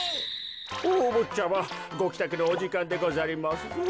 おおぼっちゃまごきたくのおじかんでござりますぞ。